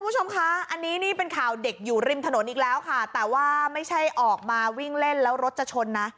คุณผู้ชมคะอันนี้นี่เป็นข่าวเด็กอยู่ริมถนนอีกแล้วค่ะแต่ว่าไม่ใช่ออกมาวิ่งเล่นแล้วรถจะชนนะ